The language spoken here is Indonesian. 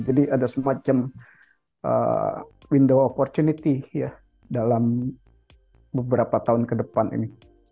jadi ada semacam window of opportunity ya dalam beberapa tahun ke depan ini